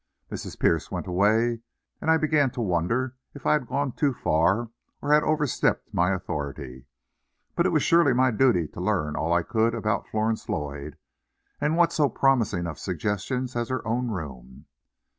Mrs. Pierce went away, and I began to wonder if I had gone too far or had overstepped my authority. But it was surely my duty to learn all I could about Florence Lloyd, and what so promising of suggestions as her own room?